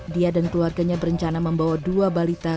dia dan keluarganya berencana membawa dua balita